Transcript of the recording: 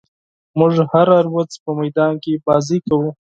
موږ هره ورځ په میدان کې لوبې کوو.